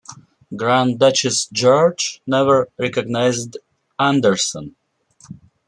Grand Duchess George never recognised Anderson.